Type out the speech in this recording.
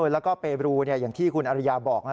แล้วก็เปรูอย่างที่คุณอริยาบอก